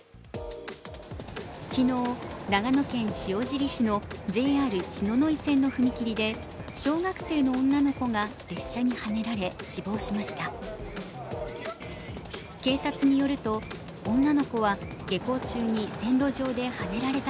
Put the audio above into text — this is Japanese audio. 昨日、長野県塩尻市のＪＲ篠ノ井線の踏切で小学生の女の子が列車にはねられ死亡しました。